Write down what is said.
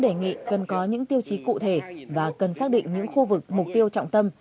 đề nghị cần có những tiêu chí cụ thể và cần xác định những khu vực mục tiêu trọng tâm